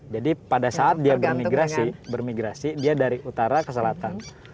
jadi pada saat dia bermigrasi dia dari utara ke selatan